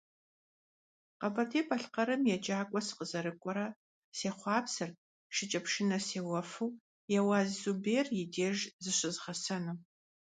Къэбэрдей-Балъкъэрым еджакӀуэ сыкъызэрыкӀуэрэ сехъуапсэрт шыкӀэпшынэ сеуэфу Еуаз Зубер и деж зыщызгъэсэну.